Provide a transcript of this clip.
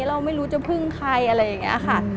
เราไม่รู้จะพึ่งใครอะไรอย่างนี้ค่ะ